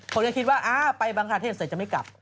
คนก็คิดว่าไปบังคาเทศเสร็จจะไม่กลับ